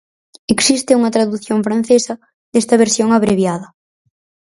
Existe unha tradución francesa desta versión abreviada.